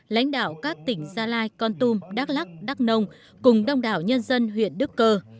lãnh đạo các tỉnh gia lai con tum đắk lắc đắk nông cùng đông đảo nhân dân huyện đức cơ